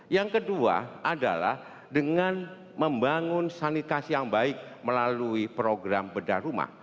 yang kedua adalah dengan membangun sanitasi yang baik melalui program bedah rumah